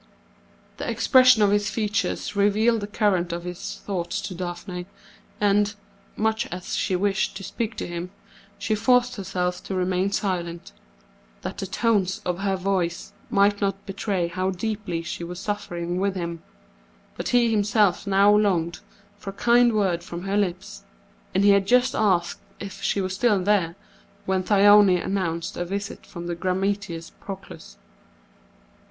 The expression of his features revealed the current of his thoughts to Daphne, and, much as she wished to speak to him, she forced herself to remain silent, that the tones of her voice might not betray how deeply she was suffering with him; but he himself now longed for a kind word from her lips, and he had just asked if she was still there when Thyone announced a visit from the grammateus Proclus.